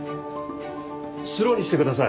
スローにしてください。